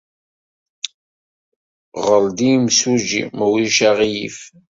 Ɣer-d i yimsujji, ma ulac aɣilif.